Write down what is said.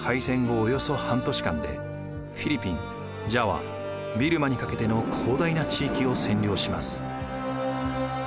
およそ半年間でフィリピン・ジャワ・ビルマにかけての広大な地域を占領します。